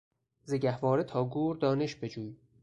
زگهواره تا گور دانش بجوی